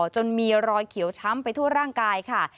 จนมีรอยเขียวช้ำไปทั่วร่างกายค่ะ